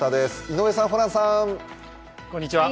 井上さん、ホランさん。